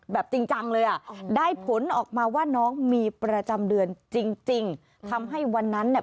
จริงจังเลยอ่ะได้ผลออกมาว่าน้องมีประจำเดือนจริงจริงทำให้วันนั้นเนี่ย